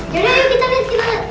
yaudah yuk kita lihat kita lihat